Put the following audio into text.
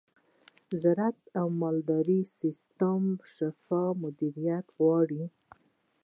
د زراعت مالي سیستم شفاف مدیریت غواړي.